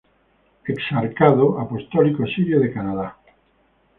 Exarcado apostólico sirio de Canadá.